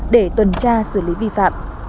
để tuần tra xử lý vi phạm